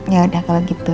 yaudah kalau gitu